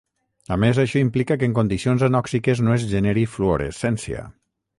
A més, això implica que en condicions anòxiques no es generi fluorescència.